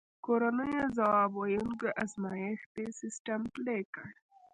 کورنیو ځواب ویونکی ازمایښتي سیستم پلی کړ.